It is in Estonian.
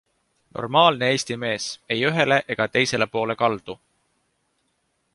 Normaalne Eesti mees, ei ühele ega teisele poole kaldu.